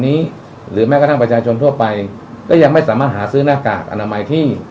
นี้หรือแม้กระทั่งประชาชนทั่วไปก็ยังไม่สามารถหาซื้อหน้ากากอนามัยที่